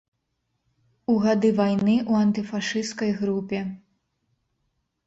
У гады вайны ў антыфашысцкай групе.